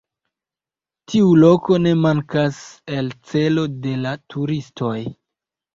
Tiu loko ne mankas el celo de la turistoj.